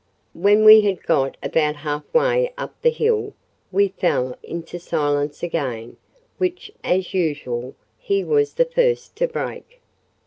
When we had got about half way up the hill, we fell into silence again; which, as usual, he was the first to break.